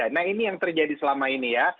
nah ini yang terjadi selama ini ya